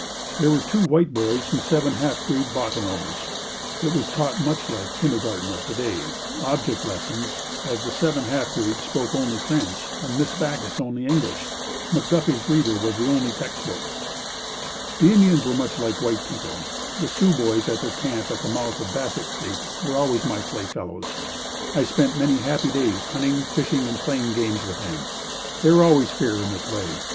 There were two white boys and seven half breed Bottineaus. It was taught much like kindergarten of today object lessons, as the seven half breeds spoke only French and Miss Backus only English. McGuffy's Reader was the only text book. The Indians were much like white people. The Sioux boys at their camp at the mouth of Bassett's Creek were always my playfellows. I spent many happy days hunting, fishing and playing games with them. They were always fair in their play.